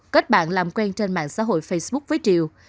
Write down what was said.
kết bạn làm quen trên mạng xã hội facebook với triều